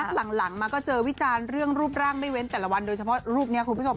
หลังมาก็เจอวิจารณ์เรื่องรูปร่างไม่เว้นแต่ละวันโดยเฉพาะรูปนี้คุณผู้ชม